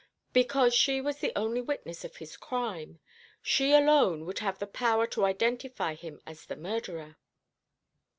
"Because she was the only witness of his crime. She alone would have the power to identify him as the murderer."